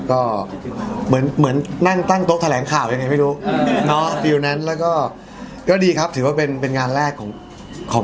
ก็เหมือนนั่งตั้งโต๊ะแถลงข่าวอย่างงี้ไม่รู้เนอะฟิลนั้น